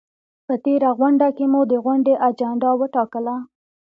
په تېره غونډه کې مو د غونډې اجنډا وټاکله؟